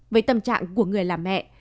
với tâm trạng của người làm mẹ